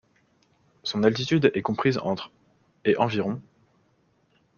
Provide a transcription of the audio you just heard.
Son altitude est comprise entre et environ.